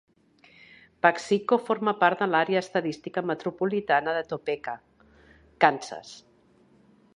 Paxico forma part de l'àrea estadística metropolitana de Topeka, Kansas.